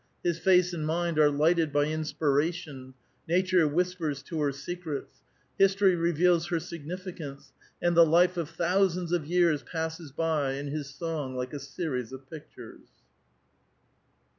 His face and niiiid are lighted by inspira tion ; nature whispers to her secrets ; history reveals her sig nificance ; and the life of thousands of years passes by in his song like a series of pictures.